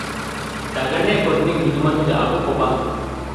ދަގަނޑޭ ކޮށްދިން ހިދުމަތުގެ އަގު ކޮބާ؟